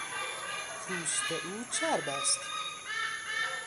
پوست او چرب است.